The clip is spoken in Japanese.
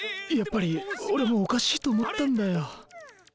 やっぱり俺もおかしいと思ったんだよ。